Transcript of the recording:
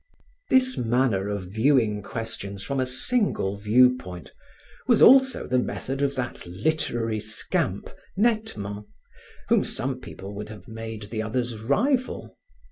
This manner of viewing questions from a single viewpoint was also the method of that literary scamp, Nettement, whom some people would have made the other's rival.